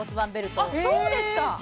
そうですか！